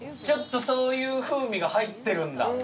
ちょっとそういう風味が入ってるんだ。